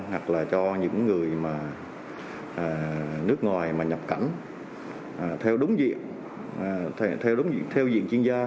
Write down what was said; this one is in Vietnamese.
hoặc là cho những người nước ngoài nhập cảnh theo diện chuyên gia